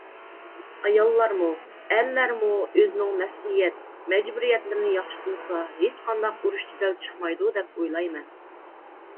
ئاياللارمۇ، ئەرلەرمۇ ئۆزىنىڭ مەسئۇلىيەت، مەجبۇرىيەتلىرىنى ياخشى تونۇسا ھېچقانداق ئۇرۇش-جېدەل چىقمايدۇ دەپ ئويلايمەن.